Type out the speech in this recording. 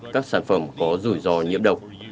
các sản phẩm có rủi rò nhiễm độc